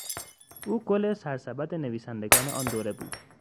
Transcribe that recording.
او گل سرسبد نویسندگان آن دوره بود.